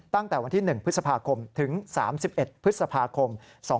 ตั้งแต่วันที่๑พฤษภาคมถึง๓๑พฤษภาคม๒๕๖